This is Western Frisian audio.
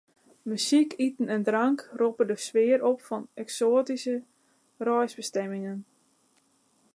Muzyk, iten en drank roppe de sfear op fan eksoatyske reisbestimmingen.